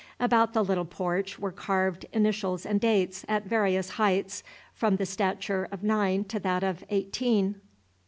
About the little porch were carved initials and dates, at various heights, from the stature of nine to that of eighteen.